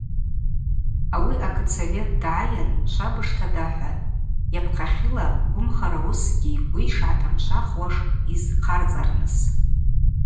Ауи акытсовет дгӏайын швабыжта дахӏватӏ, йапхъахьыла гвымхара уыскӏгьи йгвы йшгӏатамшвахуаш йызхъарцӏарныс.